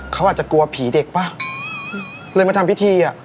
เขาอาจจะกลัวผีเด็กป่ะเลยมาทำพิธีอ่ะ